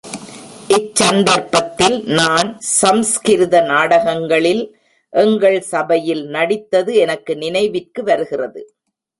இச் சந்தர்ப்பத்தில், நான் சம்ஸ்கிருத நாடகங்களில் எங்கள் சபையில் நடித்தது எனக்கு நினைவிற்கு வருகிறது.